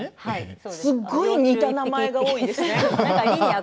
すごい似ている名前が多いですね。